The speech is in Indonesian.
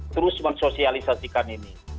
terus men sosialisasikan ini